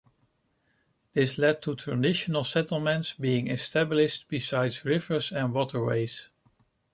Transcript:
This led to traditional settlements being established beside rivers and waterways.